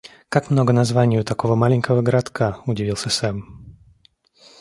«Как много названий у такого маленького городка», — удивился Сэм.